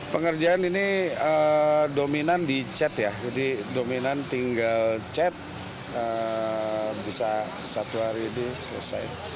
pekerjaan ini dominan di cet ya jadi dominan tinggal cet bisa satu hari ini selesai